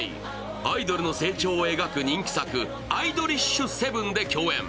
アイドルの成長を描く人気作、「アイドリッシュセブン」で共演。